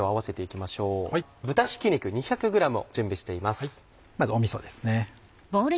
まずみそですね。